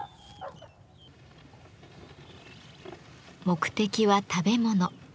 目的は食べ物。